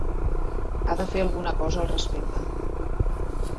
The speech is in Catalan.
Ha de fer alguna cosa al respecte.